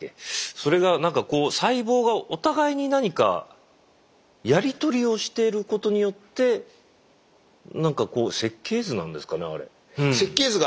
それがなんか細胞がお互いに何かやり取りをしてることによってなんかこう設計図なんですかね？